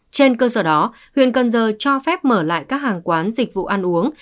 trên cơ sở đó huyện cần giờ cho phép mở lại các hàng quán dịch vụ ăn uống